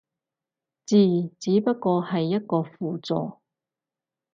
字只不過係一個輔助